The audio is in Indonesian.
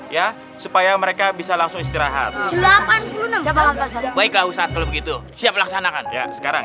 ya supaya mereka bisa langsung istirahat delapan puluh enam baiklah saat begitu siap laksanakan sekarang